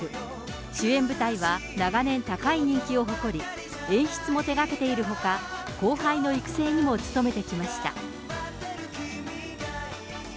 主演舞台は長年、高い人気を誇り、演出も手がけているほか、後輩の育成にも努めてきました。